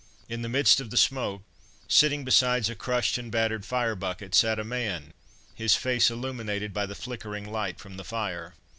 In the midst of the smoke, sitting beside a crushed and battered fire bucket, sat a man, his face illuminated by the flickering light from the fire.